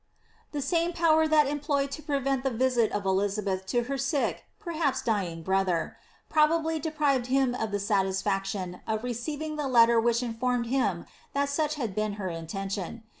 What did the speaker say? The same power that was employed to prevent the visit of Elizabeth to her sick, perhaps dyiog, brother, probably deprived him of the satis faction of receiving the letter which informed him that such had been her intention.